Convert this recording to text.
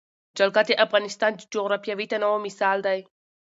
جلګه د افغانستان د جغرافیوي تنوع مثال دی.